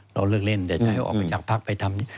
เราเลิกเล่นแต่จะให้ออกไปจากพักไปทำ